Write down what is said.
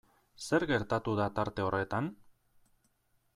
Zer gertatu da tarte horretan?